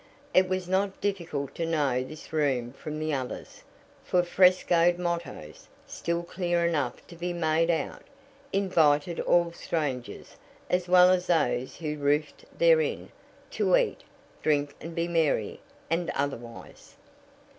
It was not difficult to know this room from the others, for frescoed mottoes, still clear enough to be made out, invited all strangers, as well as those who roofed therein, to "eat, drink and be merry," and otherwise.